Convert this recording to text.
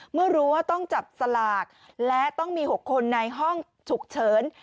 เมื่อรู้ว่าต้องจับสลากและต้องมี๖คนในห้องฉุกเฉิน